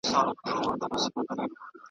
نه مو آرام نه شین اسمان ولیدی .